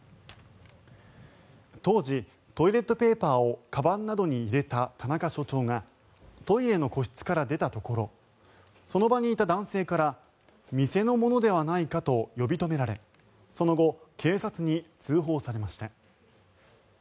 当時、トイレットペーパーをかばんなどに入れた田中署長がトイレの個室から出たところその場にいた男性から店のものではないかと呼び止められその後、警察に通報されました。